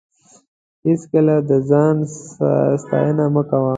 هېڅکله د ځان ستاینه مه کوه.